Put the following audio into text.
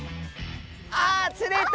ああ釣れた！